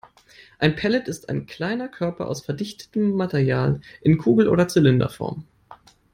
Ein Pellet ist ein kleiner Körper aus verdichtetem Material in Kugel- oder Zylinderform.